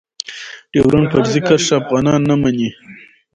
ډيورنډ فرضي کرښه افغانان نه منی.